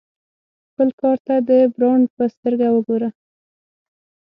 خپل کار ته د برانډ په سترګه وګوره.